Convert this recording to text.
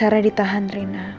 oma sarah ditahan rina